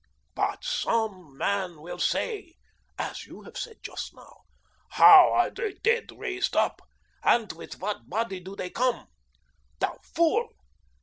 'But some man will say' as you have said just now 'How are the dead raised up? And with what body do they come? Thou fool!